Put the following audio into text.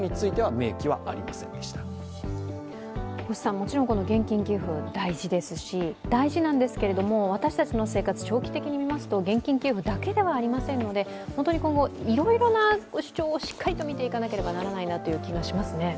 もちろん現金給付、大事ですし大事なんですけど、私たちの生活、長期的に見ますと現金給付だけではありませんので、本当に今後、いろんな主張をしっかりと見ていかなければいけないと思いますね。